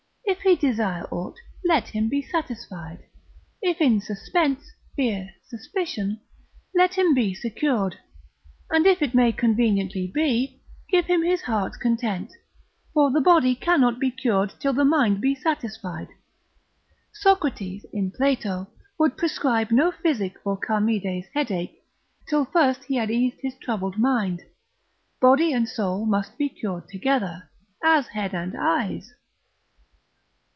If he desire aught, let him be satisfied; if in suspense, fear, suspicion, let him be secured: and if it may conveniently be, give him his heart's content; for the body cannot be cured till the mind be satisfied. Socrates, in Plato, would prescribe no physic for Charmides' headache, till first he had eased his troubled mind; body and soul must be cured together, as head and eyes.